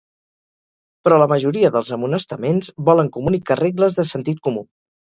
Però la majoria dels amonestaments volen comunicar regles de sentit comú.